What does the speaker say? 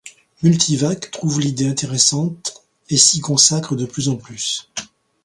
Multivac trouve l'idée intéressante et s'y consacre de plus en plus.